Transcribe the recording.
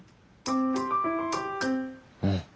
うん。